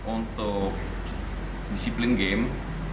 untuk disiplin game